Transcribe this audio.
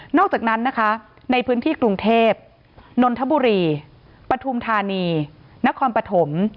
อกจากนั้นนะคะในพื้นที่กรุงเทพนนทบุรีปฐุมธานีนครปฐม